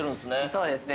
◆そうですね。